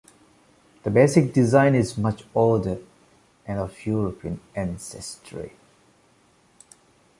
The basic design is much older and of European ancestry.